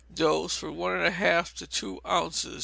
Dose, from one and a half to two ounces.